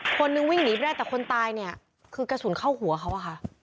คนนึงวิ่งหนีไปได้แต่คนตายเนี่ยคือกระสุนเข้าหัวเขาอะค่ะ